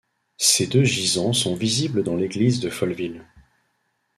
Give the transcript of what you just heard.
Ces deux gisants sont visibles dans l'église de Folleville.